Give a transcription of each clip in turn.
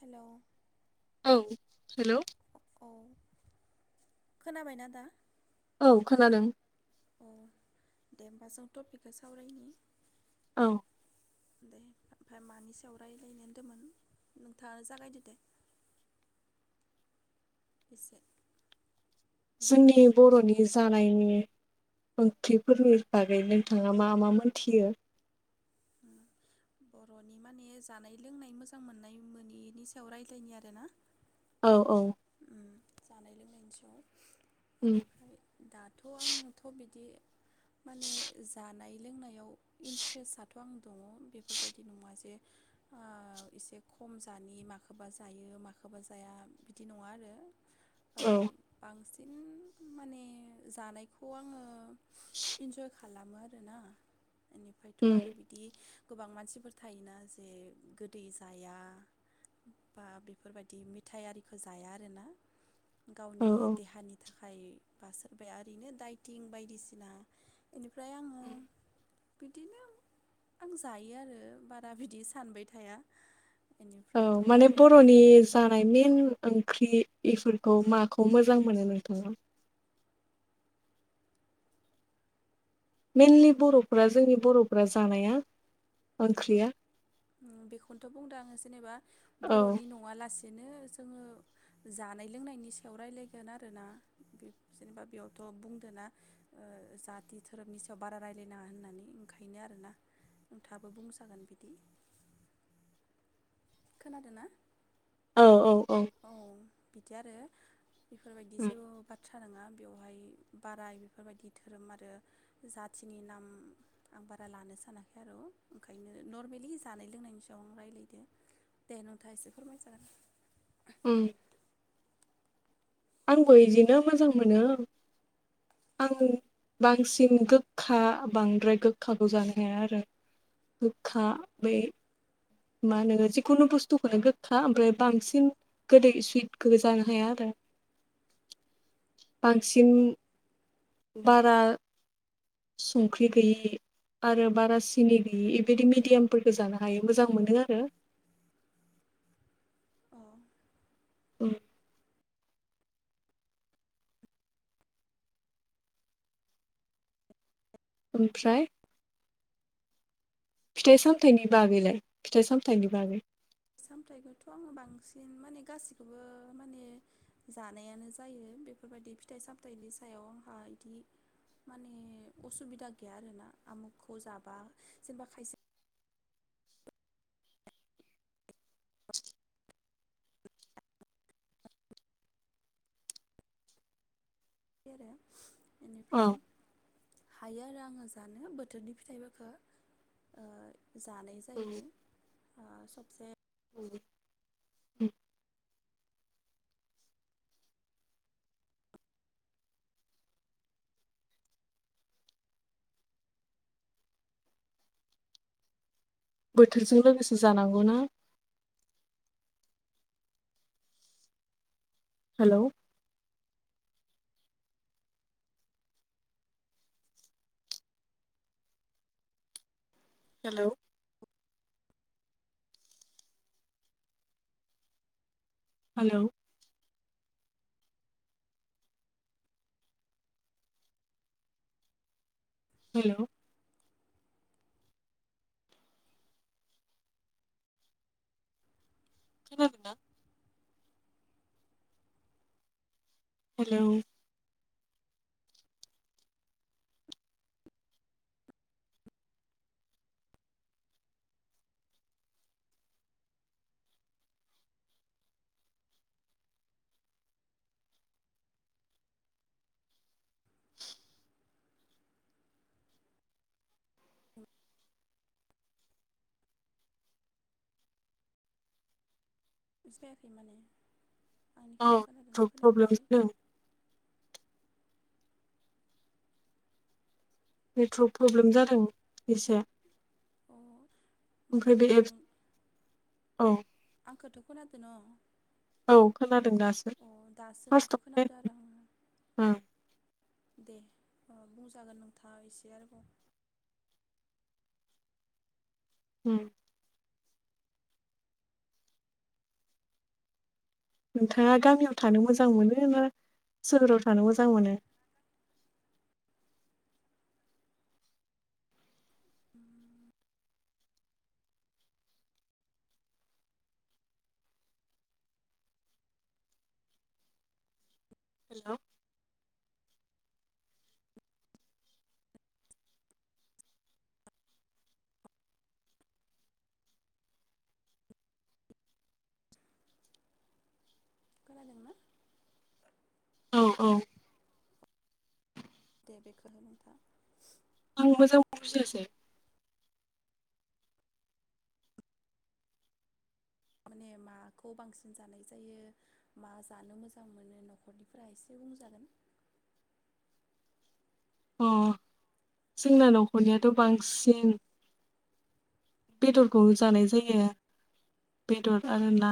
हेल'? औ हेलौ। औ खोनाबायना दा? औ खोनादों। अह, दे होमबा जों टपिकखो सावरायनि। औ। दे ओमफाय मानि सायाव रायलायनो होनदोमोन नोंथाङा जागायदो दे। इसे। जोंनि बर'नि जानायनि ओंख्रिफोरनि बागै नोंथाङा मा मा मोनथियो? बर'नि माने जानाय लोंनाय मोजां मोननाय मोनिनि सायाव रायलायनि आरोना? औ औ। उम जानाय लोंनायनि सायाव। उम बेनिफ्राय दाथ' आंथ' बिदि माने जानाय लोंनायाव इन्ट्रेस्टआथ' आं दङ बेफोरबायदि नङा जे ओ एसे खम जानि माखोबा जायो माखोबा जाया बि दि नङा आरो। औ। इन माने जानायखौ आङो इन्जय खालामो आरोना। इनिफायथ' उम आरो बिदि गोबां मानसिफोर थायोना जे गोदै जाया बा बेफोरबादि मिथाइ आरि खो जाया आरोना। औ गावनि औ देहानि थाखाय बा सोरबाया ओरैनो डाइथिं बायदिसिना एनिफ्राय आङो बिदिनो आं जायो आरो बारा बिदि सानबाय थाया। औ बेनिफ्रायथ' माने आरो बर'नि जानाय मेन ओंख्रि इफोरखौ माखौ मोजां मोनो नोंथाङा? मेनलि बर'फ्रा जोंनि बर'फोरा जानाया ओंख्रिया ओ बेखौनोथ' बुंदों आङो जेनेबा औ बर'नि नङा लासि नो जोङो जानाय लोंनायनि सायाव रायलायगोन आरोना जेनेबा बेयावथ' बुंदो ना ओ जाथि धोरोमनि सायाव बारा रायलायनाङा होननानै ओंखायनो आरोना नोंथाङाबो बुंजागोन बिदि। खोनादो ना? औ औ। औ। बिदि आरो बेफोरबायदि उम जेबो बाथ थ्रा नङा बेवहाय बारा बेफोरबादि धोरोम आरो जाथिनि नाम आं बारा लानो सानाखै आर' ओंखायनो नर्मेलि जानाय लोंनायनि सायाव आं रायलायदो दे नोंथाङा एसे फोरमाय जागोन। उम। आंबो इदिनो मोजां मोनो। आं बांसिन गोखा बांद्राय गोखाखौ जानो हाया आरो गोखा बै मा होनो? जिखुनु बुस्थुखोनो गोखा ओमफ्राय बांसिन गोदै सुइथखौ जानो हाया आरो बांसिन बारा संख्रि गैयि आरो बारा सिनि गैयि बेबायदि मिडियामफोरखो जानो हायो। मोजां मोनो आरो औ ओं। ओमफ्राय फिथाइ सामथाइनि बागैलाय फिथाइ सामथाइनि बागै। फिथाइ सामथाइखौथ' आङो बांसिन माने गासिखौबो माने जानायानो जायो बेफोरबायदि फिथाइ सामथाइनि सायाव ओ आंहा इदि माने असुबिदा गैया आरोना आमुखखौ जाबा जेनेबा खायसे बे आरो औ इनिफ्राय हायो आरो आङो जानो बोथोरनि फिथाइफोरखो ओ जानाय जायो। आ सबसे नंगौ। बोथोरजों लोगोसे जानांगौ ना हेलौ हेलौ हेलौ हेलौ खोनादों ना? हेलौ [unintelligible] खै माने औ आंनिखोबा खोनादो ना नेटवर्क प्रब्लेम खोनायाखैथाय जादों नेटवर्क प्रब्लेम जादों इसे। अ माने नोंथां औ आंखोथ' खोनादो न'। औ खोनादों दासो अ दासो फा नोंखौ खोनादों आरो [unintelligible] आङो ओ। ओ बुंजागोन नोंथाङा इसे आरोबाव। उम नोंथाङा गामियाव थानो मोजां मोनो ना सोहोराव थानो मोजां मोनो। [inaudible] हेलौ। खोनादोंना? औ औ दे बेखौल' नोंथाङा आं मोजां बुजियासै। माने माखौ बांसिन जानाय जायो मा जानो मोजां मोनो नखरनिफोरा एसे बुंजागोन। अ जोंना नखरनियाथ' बांसि बेदरखौ जानाय जायो बेदर आरो ना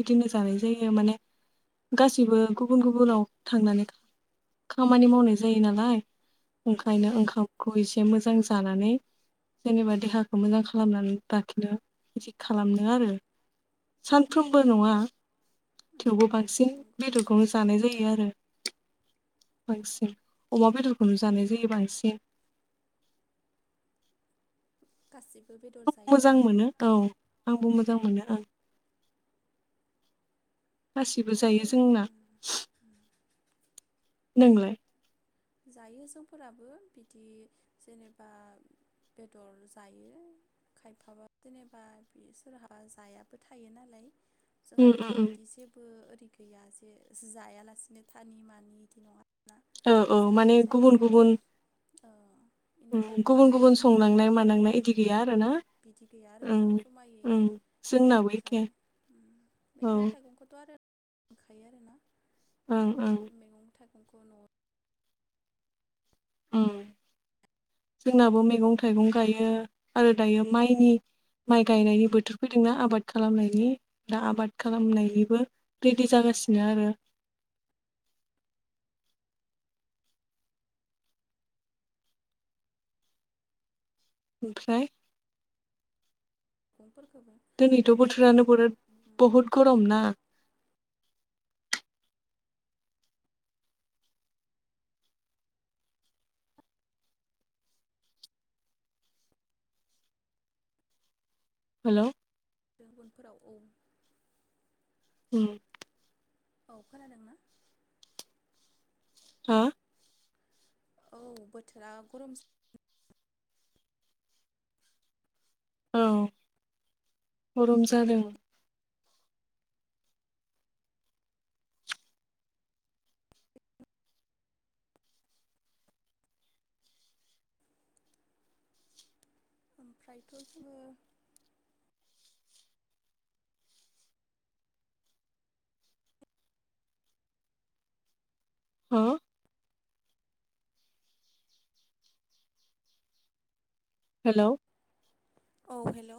बिदिनो जानाय जायो माने गासिबो गुबुन गुबुनाव थांनानै खामानि मावनाय जायो नालाय। औ ओंखायनो ओंखामखौ इसे मोजां जानानै जेनेबा देहाखौ मोजां खा खालामनानै लााखिनो बिदि खालामनो आरो सानफ्रोमबो नङा उम थेवबो बांसिन नंगौ बेदरखौनो जानाय जायो आरो। बांसिन अमा बेदरखौनो जानाय जायो बांसिन। गासि मोजां मोनो औ आंबो मोजां मोनो ओं गासिबो बिदिनो जायो जोंना उम नोंलाय? जायो जोंफोराबो बिदि जेनेबा बेदर जायो खायफाबा जेनेबा बि सोरहा जायाबो थायो नालाय। जोंहा उम उम उम बेफोरबायदि जेबो ओ बिदि गैया एसे जे जायालासिनो थानि मानि बिदि नङा ना। औ औ माने जानाय जायो गुबुन ओमफाय गुबुन ओ उम इनिफ्रायथ' गुबुन आरो गुबुन मैगं संनांनाय मानांनाय इदि गैया आरो अ ना बिदि गैया ओं आरोना जमायै ओं जोंनाबो इदि एखे जायो उम औ मैगं थाइगंखौथ' आरो मोनखायो आरो ना ओं ओं ओमफाय मैगं थाइगंखौ न'आव उम जोंनाबो मैगं थाइगं गायो आरो दायो माइनि माइ गायनायनि बोथोर फैदों ना आबाद खालामनायनि दा आबाद खालामनायनिबो रेदि जागासिनो आरो। ओमफ्राय मैगंफोरखौबो दिनैथ' बांसिन बोथोरानो बोरोद उम बहुद गरम ना हेलौ उनफोराव औ उम औ खोनादों ना? हा औ बोथोरा गरम औ गरम जादों। ओमफ्रायथ' जोङो हो हेलौ औ हेलौ